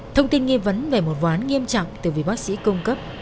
thông tin nghi vấn về một ván nghiêm trọng từ vị bác sĩ cung cấp